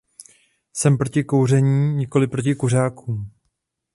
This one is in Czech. Jsem proti kouření, nikoli proti kuřákům.